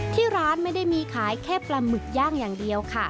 ที่ร้านไม่ได้มีขายแค่ปลาหมึกย่างอย่างเดียวค่ะ